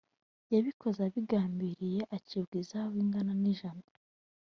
yabikoze abigambiriye acibwa ihazabu ingana n’ijana